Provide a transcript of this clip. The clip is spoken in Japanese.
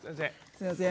すいません。